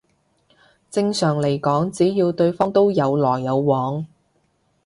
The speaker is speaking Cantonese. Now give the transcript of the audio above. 正常嚟講只要對方都有來有往